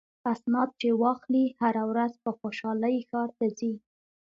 اسناد چې واخلي هره ورځ په خوشحالۍ ښار ته ځي.